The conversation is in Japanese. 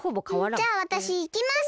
じゃあわたしいきます。